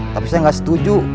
tapi saya gak setuju